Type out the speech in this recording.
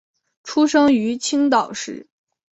出生于青岛市。